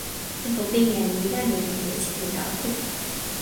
tenpo pimeja ni la mi lukin e sitelen tawa tu.